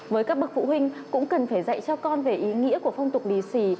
với các bậc phụ huynh cũng cần phải dạy cho con về ý nghĩa của phong tục bì xì